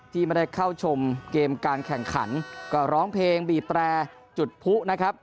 ที่ไม่ได้เข้าชมเกมการแข่งขันก็ร้องเพลงบีบแตรจุดผู้นะครับ